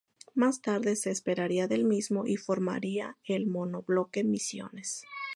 Más tarde se separaría del mismo y formaría el monobloque Misiones.